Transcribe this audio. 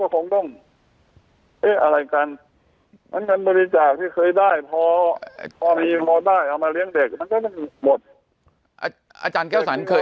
มีก็ได้เอามาเลี้ยงเด็กมันก็ไม่มีหมด